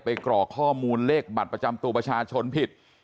ไปกรอกข้อมูลเลขบัตรประชาชนผิด